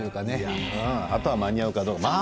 あとは間に合うかどうか。